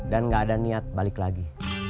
dan gak ada niat balik lagi